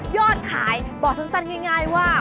ยอดขายบอกสั้นง่ายว่า